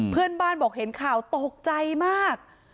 เพื่อนบ้านบอกเห็นข่าวตกใจมาก